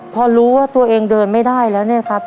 พอรู้ว่าตัวเองเดินไม่ได้แล้วเนี่ยครับ